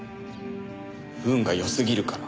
運が良すぎるから。